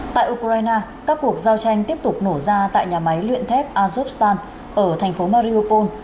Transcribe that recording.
tại ukraine các cuộc giao tranh tiếp tục nổ ra tại nhà máy luyện thép azokstan ở thành phố mariopol